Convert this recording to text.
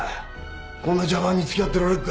こんな茶番に付き合ってられっか。